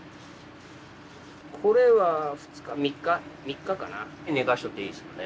これは２日３日３日かな寝かしときゃいいですよね。